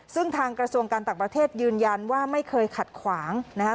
ซึ่งทางกระทรวงการต่างประเทศยืนยันว่าไม่เคยขัดขวางนะครับ